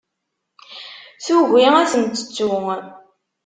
Tugi ad ten-tettu.